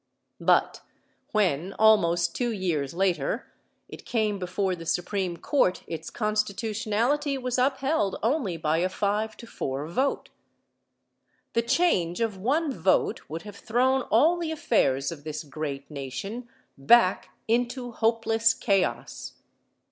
But when, almost two years later, it came before the Supreme Court its constitutionality was upheld only by a five to four vote. The change of one vote would have thrown all the affairs of this great Nation back into hopeless chaos.